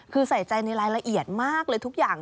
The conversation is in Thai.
คือใส่ใจในรายละเอียดมากเลยทุกอย่าง